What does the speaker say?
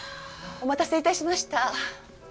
お待たせ致しました。